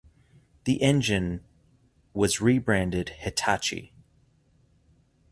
The engine was rebranded Hitachi.